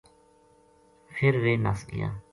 فر ویہ نس گیا